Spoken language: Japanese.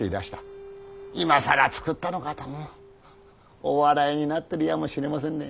今更作ったのかとお笑いになっているやもしれませんね。